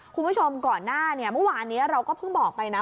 คุณผู้ชมก่อนหน้าเนี่ยเมื่อวานนี้เราก็เพิ่งบอกไปนะ